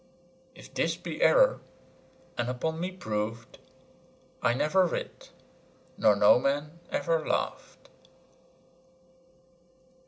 If this be error and upon me prov'd, I never writ, nor no man ever lov'd.